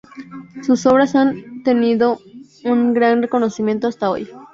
Sus obras ha tenido un gran reconocimiento hasta hoy.